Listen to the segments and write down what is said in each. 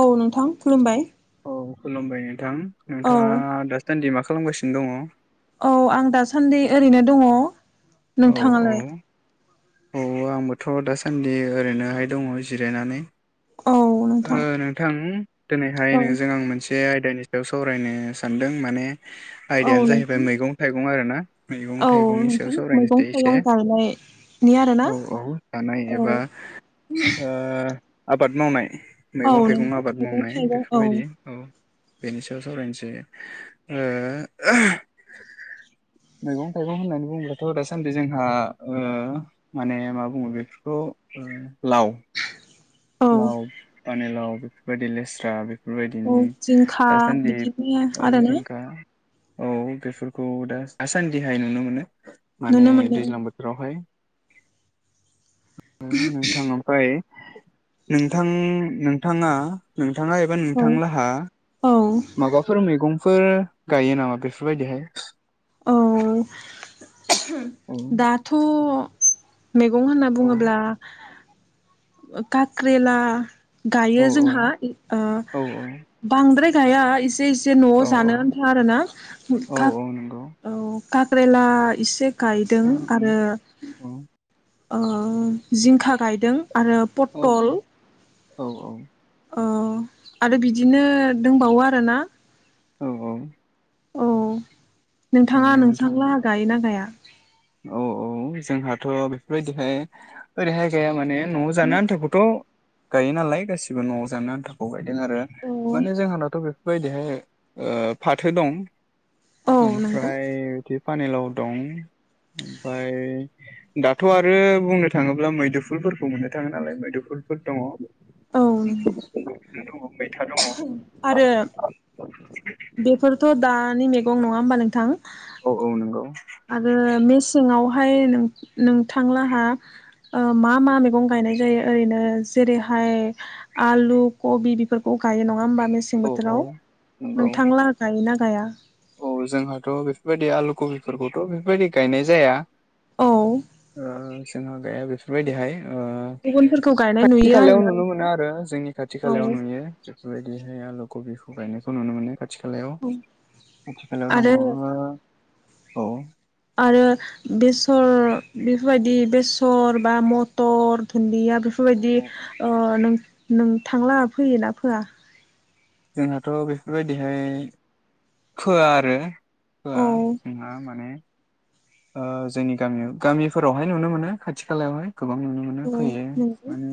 औ नोंथां खुलुमबाय। औ खुलुमबाय नोंथां। औ नोंथाङा दासान्दि मा खालामगासिनो? दङ औ आं दासान्दि ओरैनो दङ। औ औ। नोंथाङालाय औ आंबोथ' दासान्दि ओरैनोहाय दङ जिरायनानै। औ नोंथां ओ नोंथां दिनैहाय औ नोंजों आं मोनसे बे आयदानि सायाव सावरायनो सानदों माने औ आयदायानो जाहैबाय नोंथां मैगं थाइगं बुङो आरो ना? मैगं औ थाइगंनि सायाव नोंथां मैगं सावरायनोसै एसे थाइगं गायनायनि आरोना औ औ जानाय औ एबा ओ आबाद मावनाय औ मैगं थाइगं नोंथां आबाद मैगं मावनाय थाइगं औ बेफोरबायदि औ बेनि सायाव सावरायनोसै ओ मैगं थाइगं होननानै बुङोब्लाथ' दासान्दि जोंहा ओ माने मा बुङो बेफोरखौ लाव औ लाव पानिलाव भेन्दि लेस्रा बे औ बेफोरबायदिनि जिंखा दासान्दि बिदिनो औ आरोना जिंखा औ बेफोरखौ दा आसान्दिहाय नुनो मोनो। माने नुनो मोनो दैज्लां बोथोरावहाय। नोंथां ओमफ्राय [inaudible] नोंथां थाङा नोंथाङा एबा औ नोंथांलाहा औ माबाफोर मैगं फोर गायो नामा बेफोरबायदिहाय? औ औ दाथ' मैगं होनना औ बुङोब्ला काक्रेला औ गायो जोंहा ओ औ बांद्राय गाया इसे जे न'आव औ जानो औ आन्था आरो ना औ खाथ औ नंगौ औ कक्रेला इसे गायदों औ औ आरो औ ओ जिंखा गायदों। आरो औ पटल औ औ अ आरो बिदिनो दंबावो आरोना औ औ औ औ नोंथाङा नोंथां नोंसांला गायोना गाया? औ औ जोंहाथ' बेफोरबायदिहाय ओरैहाय गया माने न'आव जानो आन्थाखौथ' गायो नालाय गासिबो न'आव जानो आन्थाखौ गायदों। बे आरो औ माने नंगौ जोंहानथ' बे बैबायदिहाय फाथो दं। औ नंगौ ओमफ्राय बिदि पानेलाव दं ओमफाय दाथ' आरो बुंनो थाङोब्ला मैदुफुलफोरखौ मोननो थाङो नालाय मैदुफुलफोर दङ। औ [unintelligible] फोर दङ मैथा दङ। आरो बेफोरथ' दानि मेगं नङा होमबा नोंथां? औ औ नोंगौ। ओमफ्राय नों-नोंथांलाहा ओ मा मा मैगं गायनाय जायो ओरैनो जेरैहाय आलु कबि बेफोरखौ गायो नङा होमबा? मेसें औ औ बोथोराव नंगौ नोंथां ला गायो ना गाया औ जोंहाथ' बेफोरबायदि आलु कबिफोरखौथ' बेफोरबायदि गायनाय जाया। औ [inaudible] ओ जोंहा गाया बेफोरबायदिहाय ओ गुबुनफोरखौ गायनाय खाथि नुयो खालायाव आरोना नुनो नोंथां मोनो आरो जोंनि खाथि औ खालायाव नुयो बेफोरबायदिहाय आलु कबिखौ गायनायखौ नुनो मोनो। खाथिखालायाव औ आथिखालाव दङ आरो ओ औ आरो बेसर बेफोरबायदि बेसर बा मटर दुनदिया औ बेफोरबायदि ओह नों नों थांलाहा फैयोना फोया? जोंहाथ' बेफोरबायदिहाय फोआ आरो फोआ औ जोंहा माने ओ जोंनि गामियाव गामिफोरावहाय नुनो मोनो खाथि खालायावहाय। गोबां नुनो मोनो औ फैयो नंगौ माने।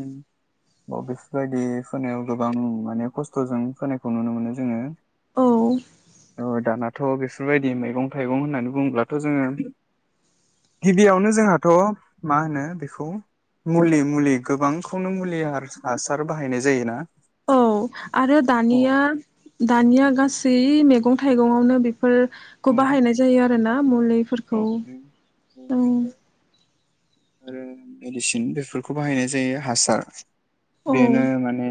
अ बेफोरबायदि फोनायाव गोबां माने खस्थ'जों फोनायखौ नुनो मोनो जोङो। औ ओ दानाथ' बेफोरबायदि मैगं थाइगं होननानै बुङोब्लाथ' जोङो गिबियावनो जोंहाथ' मा होनो बेखौ मुलि मुलि गोबांखौनो मुलि हार हासार बाहायनाय जायोना? औ आरो औ दानिया दानिया गासै मैगं थाइगंआवनो बे फोर खौ बाहायनाय जायो आरोना। मुलैफोर खौ औ ओं आरो मेडिसिन बेफोरखौ बाहायनाय जायो हासार बेनो माने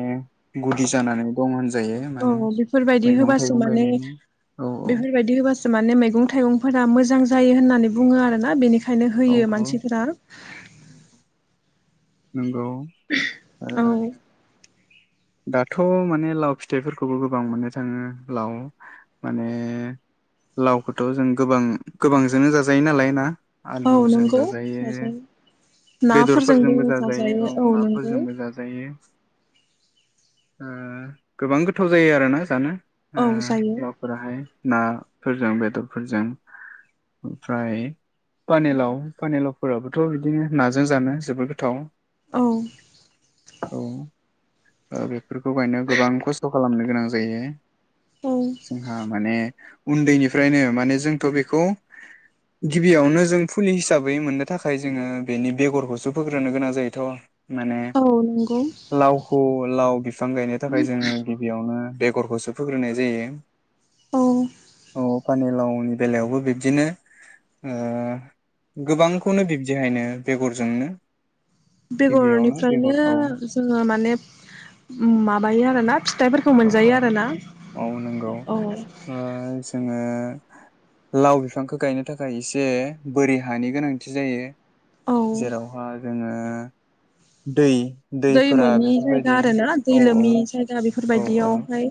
गुदि जानानै दं होन औ बेफोरबायदि होबासो माने गायनायनि औ औ बेफोरबायदि होबासो माने मैगं थाइगंफोरा मो मोजां जायो होननानै बुङो आरोना बेनि खायनो औ होयो औ मानसिफोरा नंगौ औ आरो दाथ' माने लाव फिथाइफोरखौबो गोबां मोननो थाङो लाव माने लावखौथ' जों गोबां गोबांजोंनो जाजायो नालाय ना औ आलुजों नंगौ जाजायो बेदरफोरजोंबो जाजायो औ नाफोरजोंबो जाजायो ओह गोबां गोथाव जायो आरोना जानो औ ओह जायो लावफोराहाय ना फोरजों बेदरफोरजों ओमफ्राय पानिलाव पानिलावफोराबोथ' बिदिनो नाजों जानो जोबोद गोथाव औ औ दे खौ गायनो गोबां खस्थ' खालामनो गोनां जायो औ जोंहा माने उन्दैनिफ्रायनो माने जोंथ' बेखौ गिबियावनो जों फुलि हिसाबै मोननो थाखाय जोङो बेनि बेगरखौसो फोग्रोनो गोनां जायोथ' माने औ नंगौ लावख' लाव बिफां गायनो थाखाय जोङो गिबियावनो बेगरखौसो फोग्रोनाय जायो औ औ पानिलावनि बेलायावबो बिब्दिनो ओ गोबांखौनो बिब्दिहायनो बेगरजोंनो गिबियावनो बेगर बेगरनिफ्रायनो औ जोङो माने माबायो आरोना फिथाइफोरखौ औ मोनजायो आरोना औ-औ नोंगौ औ ओ जोङो लाव बिफांखो गायनो थाखाय एसे बोरि हानि गोनांथि जायो। औ जेरावहा जोङो दै दै दैफोरा मोनि जायगा बेफोरबायदि आरो ना दै औ लोमि औ जायगा औ बेफोरबा औ बियावहाय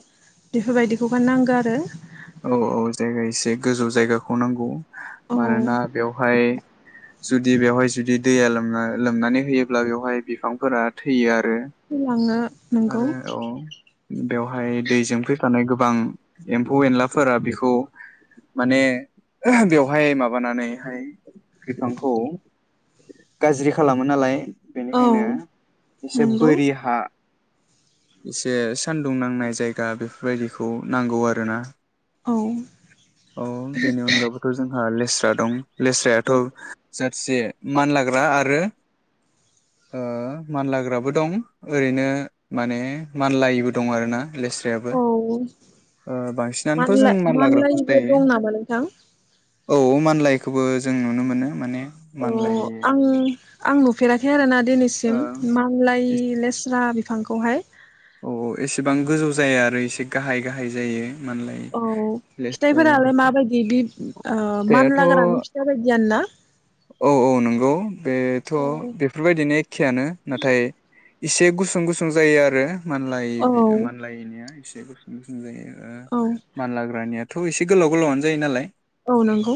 बेफोरबायदिखौ बा नांगो आरो औ औ जायगा एसे गोजौ जायगाखौ नांगौ औ मानोना बेवहाय जुदि बेवहाय जुदि दैया लोमना-लोमनानै होयोब्ला बेवहाय बिफांफोरा थैयो आ [unintelligible] आरो औ बेवहाय दै जामफै थानाय गोबां एम्फौ एनलाफोरा बिखौ माने बेवहाय माबानानैहाय बिफांखौ गाज्रि खालामो नालाय औ बेनिखायनो एसे नंगौ बोरि हा इसे सानदुं नांनाय जायगा बेफोरबायदिखौ नांगौ आरो ना। औ अ 'बेनि अनगाबोथ' जोंहा लेस्रा दं। लेस्रायाथ' जोंहा इसे मानलाग्रा आरो ओ मानलाग्राबो दं ओरैनो माने मानलायिबो दं आरोना। लेस्रायाबो औ ओ बांसिनानोथ' मानला जों मानलाग्रा खौसो मानलायबो दं नामा नोंथां गायो। औ मानलायिखोबो जों नुनो मोनो माने मानलाय अ' आङो आं नु फेराखै आरोना। दिनैसिम ओ मानलायि लेस्रा बि फांखौहाय। औ औ एसेबां गोजौ जाया आरो एसे गाहाय गाहाय जायो। मानलाय औ लेस्राया फिथाइफोरालाय बेखौ माबायदि बि ओ फिथाइआथ' मानलाग्रानि फिथाइ बायदियान ना? औ औ नंगौ बेथ' बेफोरबायदिनो एख्खेयानो नाथाय इसे गुसुं -गुसुं जायो आरो ओ औ मानलायिनिया इसे गुसुं गुसुं जायो। ओ औ मानलाग्रानिया थ' इसे गोलाव गोलावानो जायो नालाय औ नंगौ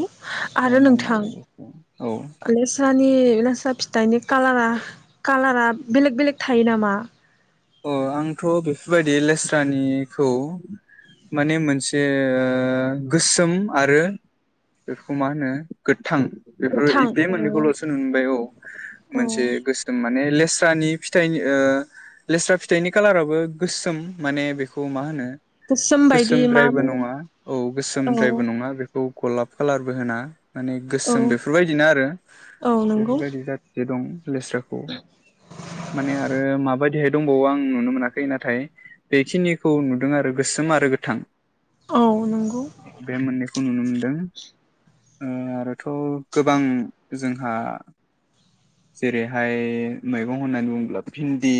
औ आरो नोंथां मानलाग्रानिया औ ओ लेस्रा फिथाइनि कालारा बेलेग- बेलेग थायो नामा? अ आंथ' बेफोरबायदि लेस्रानिखौ माने मोनसे ओ गोसोम आरो बेखौ मा होनो गो थां गोथां बेफोरबाइदि बे औ मोननैखौल'सो नुनबाय औ औ मोनसे गोसोम। लेस्रानि फिथाइनि ओ लेस्रा फिथाइनि खाालाराबो गोसोम माने बेखौ मा होनो गोसोम बायदि मा गोसोमद्रायबो बुङो नङा औ गोसोमद्रायबो औ नङा बेखौ गलाप कालारबो होना माने गोसोम औ बेफोरबायदिनो आरो औ नंगौ बेफोरबायदि जाथिसे दं लेस्राखौ माने आरो माबायदिहाय दंबावो आं नुनो मोनाखै नाथाय बेखिनिखौ नुदों आरो गोसोम आरो गोथां। औ नंगौ औ बे मोननैखौ नुनो मोन दों ओ आरोथ' गोबां जोंहा जेरैहाय मैगं होननानै बुङोब्ला भिन्दि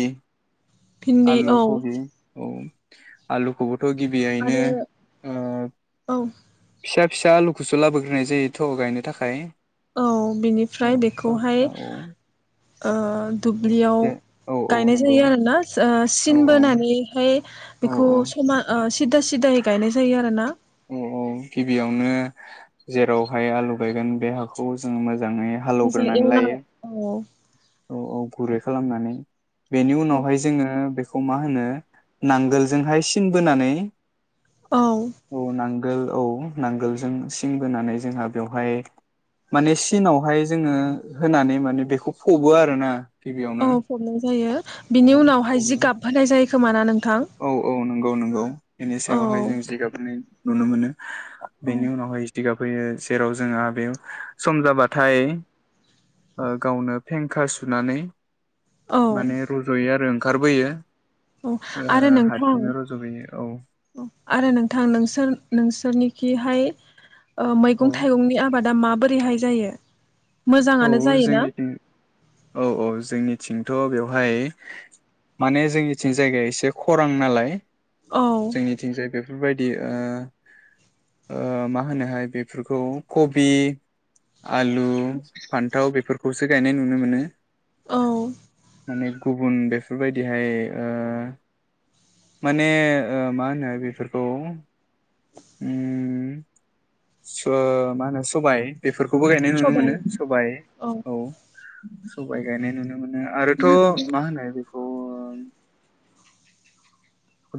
भिन्दि आलु औ खबि औ आलु खौब थ गिबियैनो आरो ओ औ फिसा फिसा आलुखोसो लाबोग्रोनाय जायो थ गायनो थाखाय औ बिनिफ्राय ओ फिसा बेखौहाय फिसा औ ओ ओ दुब्लियाव एसे औ औ गायनाय नंगौ जायो आरोना स ओ औ सिन बोनानैहाय औ बेखौ औ समा ओ सिदा सिद दायै गायनाय जायो आरो ना औ औ गिबियावनो जेरावहाय आलु गायगोन बे हाखौ जों मोज मोजै मोजां हालेवग्रानै एवना लायो औ औ औ गुर खालामनानै बेनि औ उनावहाय जोङो बे खौ मा होनो नांगोलजोंहाय सिन बोनानै औ औ नांगोल औ नांगोलजों सिन बोनानै जोंहा बेवहाय माने सिनावहाय जोङो होनानै माने बेखौ फबो आरो ना। औ फबनाय जायो बिनि उनावहाय फबो जि गाबहोनाय जायो खोमाना नों औ औ नंगौ नंगौ बेनि औ सायावहाय जों जिगाबनि नुनो मोनो औ बेनि उनावहाय [inaudible] फैयो जेराव जोंहा बे सम जाबाथाय ओ गावनो फेंखा सुनानै औ माने रज'यो आरो ओंखारबोयो [inaudible] औ ओ आरो नोंथां हारसिंनो रज'बोयो औ आरो नोंथां नोंसोर नोंसोरनि जिहाय औ मैगं थाइगंनि आबादा माबोरैहाय जायो? औ मोजाङानो जायोना जोंनिथिं औ औ जोंनि थिंथ' बेवहाय माने जोंनिथिं जायगाया एसे खरां नालाय औ जोंनिथिंजाय बेफोरबायदि ओ ओ मा होनोहाय बेफोरखौ कबि, आलु, फान्थाव बेफोरखौसो गायनाय नुनो मोनो औ माने गुबुन बेफोरबायदिहाय ओ माने मा होनो बेफोरखौ उम मा होनो सो-सबाय बे खौबो गायनाय नुनो सबाय मोनो सबा औ सबाय गायनाय नुनो मोनो आरोथ' मा होनो बेखौ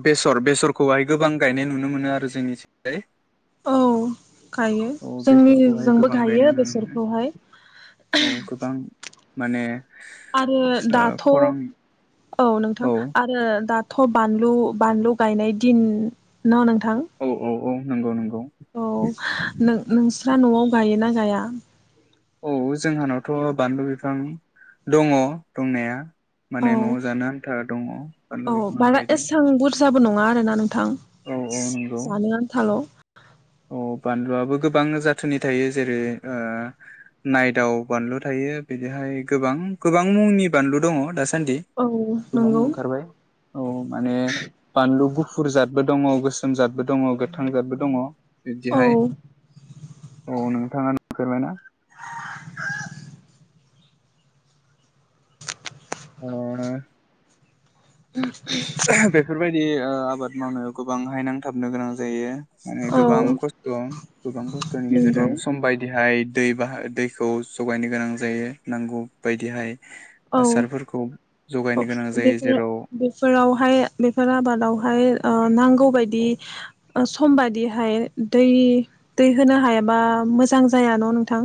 बेसर बेसरखौहाय गोबां गायनाय नुनो मोनो आरो जोंनिथिंजाय औ गायो औ बेसरखौहाय जोंनिजोंबो गोबां गायनाय गायो नुनो मोनो बेसरखौहाय औ गोबां माने आरो ओ दाथ' खरां औ नोंथां औ आरो दा थ' बानलु बानलु गायनाय दिन ना नों थां औ औ औ नंगौ नंगौ औ नों नोंस्रा न'आव गायोना गाया आं औ जोंहानावथ' बानलु बिफां दङ दंनाया माने न' जानो था दङ बानलु अ बिफाङा बारा गायदों एसां बुर जाबो नङा आरो नों थां औ औ जानो आन्थाल' [unintelligible] अ बानलुआबो गोबां जाथोननि थायो जेरै ओ नायदाव बानलु थायो बिदिहाय गोबां गोबां मुंनि बानलु दङ दा औ नंगौ औ माने बानलु गुफुर जाद बबो दङ गोसोम जादबो दङ गोथां जादबो दङ। औ बिब्दिहाय औ नोंथाङा फोरमायना अ बेफोरबायदि ओ आबाद मावनायाव गोबांहाय नांथाबनो गोनां जायो। माने औ गोबां खस्थ' गोबां खस्थ'नि नंगौ गेजेरजों सम बायदिहाय दै बाहा दैखौ जगायनो गोनां जायो नांगौ बायदिहाय औ आसारफोरखौ औ जगायनो गोनां जायो बेफोर जेराव बेफोरावहाय बेफोर आबादावहाय ओ नां नांगौबायदि सम बायदिहाय दै दै होनो हायाबा मोजां जाया न' नोंथां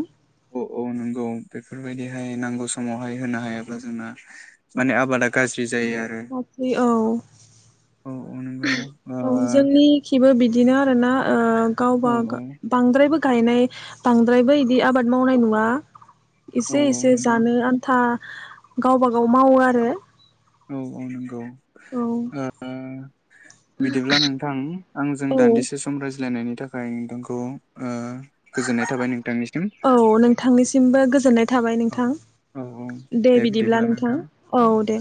औ औ नंगौ बेफोरबायदिहाय नांगौ समावहाय होनो हायाब्ला जोंना माने आबादा गाज्रि जायो आरो गासै औ औ औ नंगौ औ ओ जोंनि खिबो बिदिनो [unintelligible] औ गावबा गाव बांद्रायबो गायनाय बांद्रायबो बिदि आबाद मावनाय नुया एसे औ औ एसे नंगौ जानो आन्था गावबा गाव मावो आरो औ औ नंगौ ओ बिदिब्ला नोंथां आंजों औ दान्दिसे सम रायज्लायनायनि थाखाय नोंथांखौ ओ गोजोननाय थाबाय नोंथांनिसिम औ नोंथांनिसिमबो गोजोननाय थाबाय औ नोंथां दे बिदिब्ला नोंथां औ दे